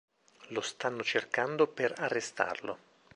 Lo stanno cercando per arrestarlo.